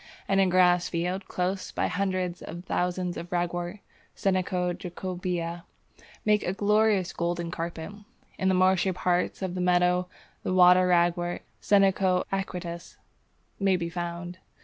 In a grass field close by hundreds of thousands of Ragwort (Senecio jacobæa) make a glorious golden carpet; in the marshy part of the meadow the Water Ragwort (Senecio aquaticus) may be found.